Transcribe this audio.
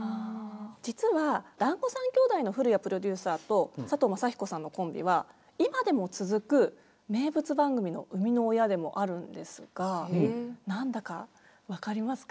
実はだんご３兄弟の古屋プロデューサーと佐藤雅彦さんのコンビは今でも続く名物番組の生みの親でもあるんですが何だか分かりますか？